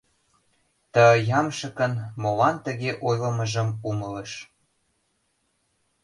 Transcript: Ты ямшыкын молан тыге ойлымыжым умылыш.